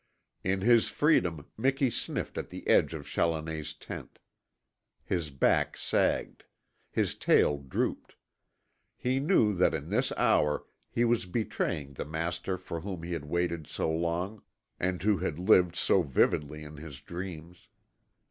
In his freedom Miki sniffed at the edge of Challoner's tent. His back sagged. His tail drooped. He knew that in this hour he was betraying the master for whom he had waited so long, and who had lived so vividly in his dreams.